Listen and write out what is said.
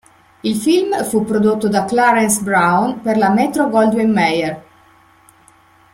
Il film fu prodotto da Clarence Brown per la Metro-Goldwyn-Mayer.